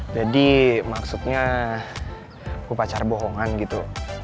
jadi maksudnya gue pacar bohongan gitu